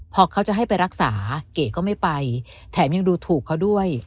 พอเขาจะให้ไปรักษาเก๋ก็ไม่ไปแถมยังดูถูกเขาด้วย